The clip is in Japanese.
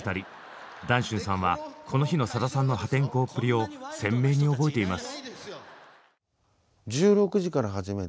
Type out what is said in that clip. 談春さんはこの日のさださんの破天荒っぷりを鮮明に覚えています。